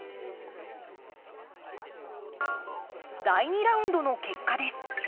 第２ラウンドの結果です。